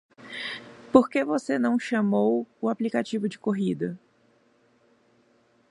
Por que você não chamou o aplicativo de corrida?